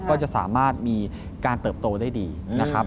ก็จะสามารถมีการเติบโตได้ดีนะครับ